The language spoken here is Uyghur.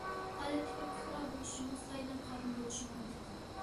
ئادەتتىكى پۇقرا بولۇشىمۇ، سايلام خادىمى بولۇشىمۇ مۇمكىن.